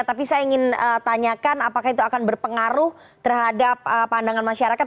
tapi saya ingin tanyakan apakah itu akan berpengaruh terhadap pandangan masyarakat